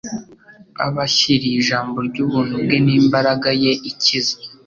abashyiriye ijambo ry'ubuntu bwe n'imbaraga ye ikiza?